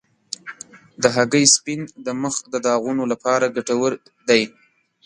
د هګۍ سپین د مخ د داغونو لپاره ګټور دی.